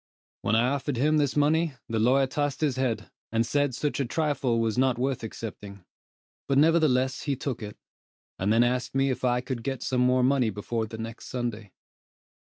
When I offered him this money, the lawyer tossed his head, and said such a trifle was not worth accepting; but nevertheless he took it, and then asked me if I could get some more money before the next Sunday.